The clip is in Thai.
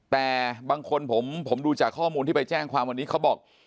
แต่บางคนผมดูจากข้อมูลที่ไปแจ้งความวันนี้เขาบอก